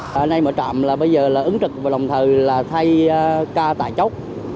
hôm nay mở trạm là bây giờ là ứng trực và đồng thời là thay ca tài chốt